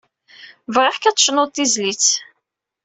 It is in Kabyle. Bɣiɣ-k ad d-tecnuḍ tizlit.